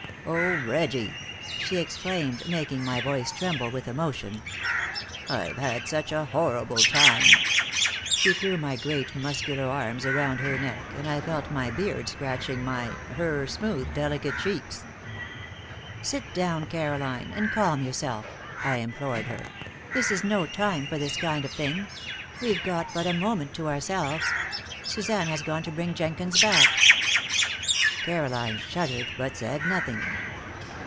"Oh, Reggie," she exclaimed, making my voice tremble with emotion. "I've had such a horrible time!" She threw my great, muscular arms around her neck, and I felt my beard scratching my her smooth, delicate cheeks. "Sit down, Caroline, and calm yourself," I implored her. "This is no time for this kind of thing. We've got but a moment to ourselves. Suzanne has gone to bring Jenkins back." Caroline shuddered, but said nothing.